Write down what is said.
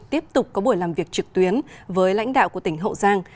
tiếp tục có buổi làm việc trực tuyến với lãnh đạo của tỉnh hậu giang